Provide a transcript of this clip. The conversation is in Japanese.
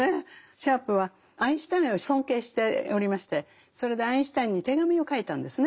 シャープはアインシュタインを尊敬しておりましてそれでアインシュタインに手紙を書いたんですね。